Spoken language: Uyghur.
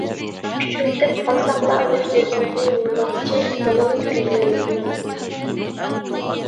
ئۇچرىتىپ قالساقلا ئۆز-ئۆزىمىزنى، يۇمماقچى بولىمىز كۆزلىرىمىزنى.